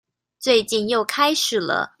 最近又開始了